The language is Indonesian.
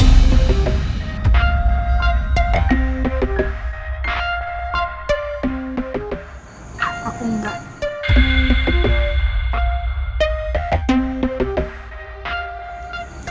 pak aku enggak